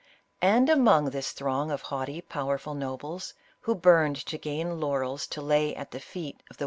And among this throng of haughty, powerful nobles, who burned to gain laurels to lay at the feet of the 100 ISABELLA OF CASTILE.